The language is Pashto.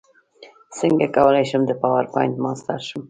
څنګه کولی شم د پاورپاینټ ماسټر شم